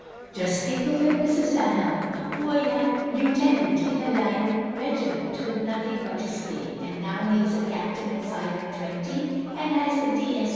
"Just think of him, Mrs. Dunham, — a poor young lieutenant in a line regiment, with nothing but his pay; and now he is a captain at five and twenty and has the D. S.